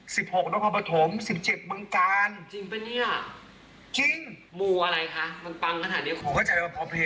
สนุกนักภาพเขาก็ประหยัดชาติ